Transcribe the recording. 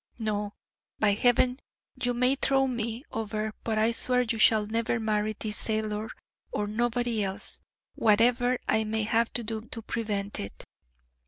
No, by Heaven; you may throw me over, but I swear you shall never marry this sailor or anybody else, whatever I may have to do to prevent it.